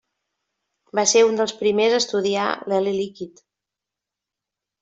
Va ser un dels primers a estudiar l'heli líquid.